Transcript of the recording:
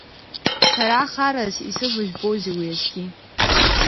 Сара харас исывыжәбозеи уеизгьы?